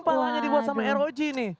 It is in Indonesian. kepalanya dibuat sama rog nih